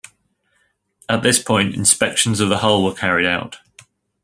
At this point inspections of the hull were carried out.